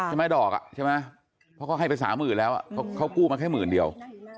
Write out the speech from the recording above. ดอกอ่ะใช่ไหมเพราะเขาให้ไปสามหมื่นแล้วเขากู้มาแค่หมื่นเดียว